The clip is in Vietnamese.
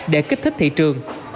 để kích thích thị trường